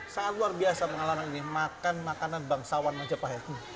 sangat luar biasa pengalaman ini makan makanan bangsawan majapahit